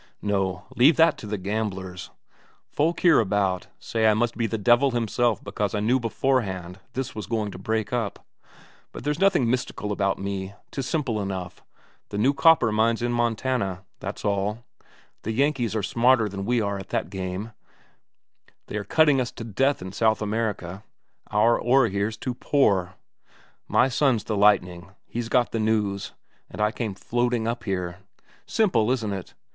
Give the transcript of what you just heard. No, leave that to the gamblers. Folk hereabout say I must be the devil himself because I knew beforehand this was going to break up. But there's nothing mystical about me, 'tis simple enough. The new copper mines in Montana, that's all. The Yankees are smarter than we are at that game; they are cutting us to death in South America our ore here's too poor. My son's the lightning; he got the news, and I came floating up here. Simple, isn't it?